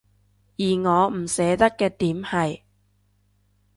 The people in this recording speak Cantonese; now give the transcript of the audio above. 而我唔捨得嘅點係